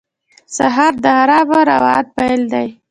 سهار د آرام روان پیل دی.